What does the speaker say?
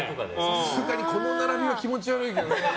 さすがに、この並びは気持ち悪いけどね。